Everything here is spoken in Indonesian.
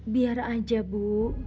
biar aja bu